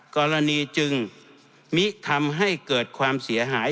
กรณีจึงมิทำให้เกิดความเสียหาย